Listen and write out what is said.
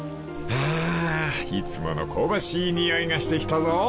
［あいつもの香ばしい匂いがしてきたぞ］